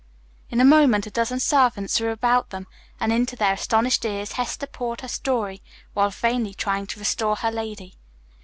In a moment a dozen servants were about them, and into their astonished ears Hester poured her story while vainly trying to restore her lady.